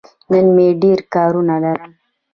نن مې ډېر کارونه لرل.